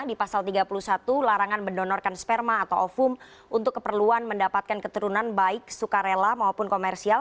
di pasal tiga puluh satu larangan mendonorkan sperma atau ofum untuk keperluan mendapatkan keturunan baik sukarela maupun komersial